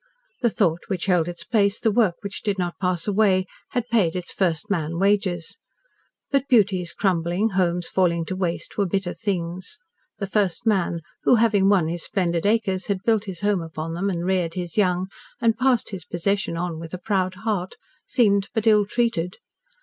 The thought which held its place, the work which did not pass away, had paid its First Man wages; but beauties crumbling, homes falling to waste, were bitter things. The First Man, who, having won his splendid acres, had built his home upon them and reared his young and passed his possession on with a proud heart, seemed but ill treated.